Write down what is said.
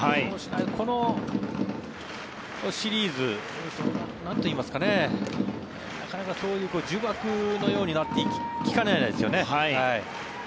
このシリーズなかなかそういう、呪縛のようになってきかねないですよね。